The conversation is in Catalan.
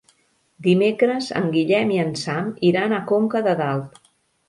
Dimecres en Guillem i en Sam iran a Conca de Dalt.